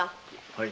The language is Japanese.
はい。